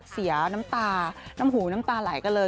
เสียน้ำตาน้ำหูน้ำตาไหลกันเลย